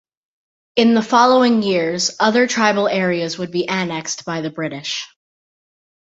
In the following years, other tribal areas would be annexed by the British.